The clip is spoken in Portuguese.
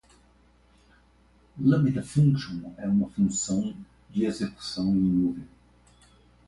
Lambda Function é uma função de execução em nuvem.